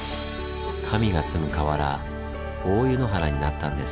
神が住む河原大斎原になったんです。